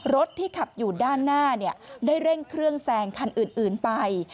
รถที่ขับอยู่ด้านหน้าได้เร่งเครื่องแซงคันอื่นไป